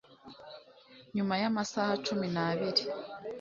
nyuma yamasaha cumi n'abiri